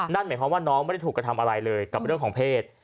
นั่นหมายความว่าน้องไม่ได้ถูกกระทำอะไรเลยกับเรื่องของเพศ